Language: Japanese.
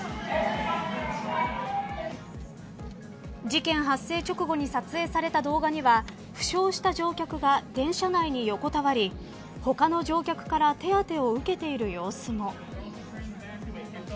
事件発生直後に撮影された動画には負傷した乗客が電車内に横たわり他の乗客から手当を受けている様子も。